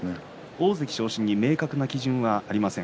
大関昇進に明確な基準はありません。